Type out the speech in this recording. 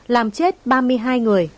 làm chết ba mươi hai người